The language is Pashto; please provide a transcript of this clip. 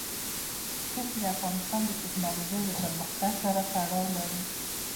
کلي د افغانستان د تکنالوژۍ پرمختګ سره تړاو لري.